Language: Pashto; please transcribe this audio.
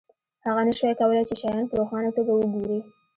هغه نشوای کولی چې شیان په روښانه توګه وګوري